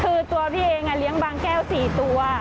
คือตัวพี่เองอ่ะเลี้ยงบางแก้วสี่ตัวอ่ะ